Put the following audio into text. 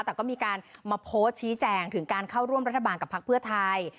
แต่ก็มีการมาโพสต์ชี้แจงถึงการเข้าร่วมรัฐบาลกับพักเพื่อไทย